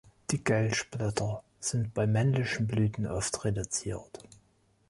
Die Kelchblätter sind bei männlichen Blüten oft reduziert.